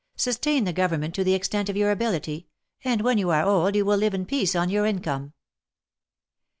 Sustain the Government to the extent of your ability, and when you are old you will live in peace on your income."